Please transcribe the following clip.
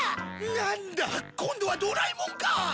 なんだ今度はドラえもんか！